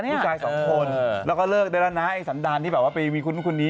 ผู้ชายสองคนและเลิกได้แล้วนะไอ้สันนดานที่ไปมีคุ้นคนนี้